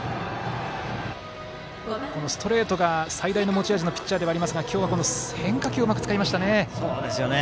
ストレートが最大の持ち味のピッチャーではありますが今日は変化球をうまく使いましたね。